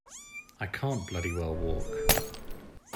I can't bloody well walk.